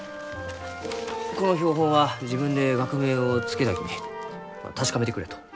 この標本は自分で学名を付けたき確かめてくれと。